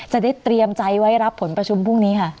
จะได้เตรียมใจไว้รับผลประชุมพรุ่งนี้ค่ะ